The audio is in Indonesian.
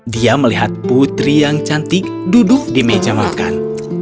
dia melihat putri yang cantik duduk di meja makan